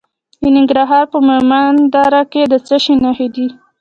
د ننګرهار په مومند دره کې د څه شي نښې دي؟